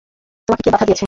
তোমাকে কে বাধা দিয়েছে?